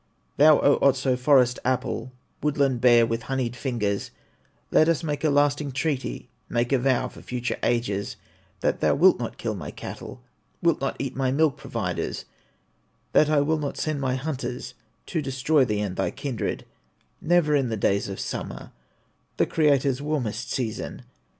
"Thou, O Otso, forest apple, Woodland bear, with honeyed fingers, Let us make a lasting treaty, Make a vow for future ages, That thou wilt not kill my cattle, Wilt not eat my milk providers; That I will not send my hunters To destroy thee and thy kindred, Never in the days of summer, The Creator's warmest season.